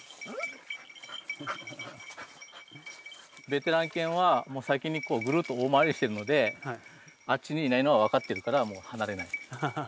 ベテラン犬はもう先にこうぐるっと大回りしてるのであっちにいないのは分かってるからもう離れない。